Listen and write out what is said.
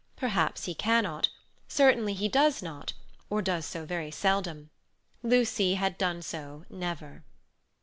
Perhaps he cannot; certainly he does not, or does so very seldom. Lucy had done so never.